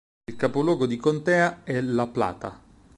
Il capoluogo di contea è La Plata.